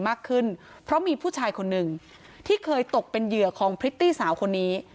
มากขึ้นเพราะมีผู้ชายคนหนึ่งที่เคยตกเป็นเหยื่อของพริตตี้สาวคนนี้